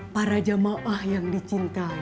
para jamaah yang dicintai